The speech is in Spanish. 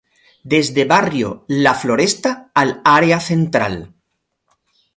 Desde barrio La Floresta al Área central.